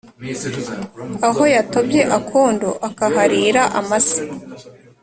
aho yatobye akondo akaharira amase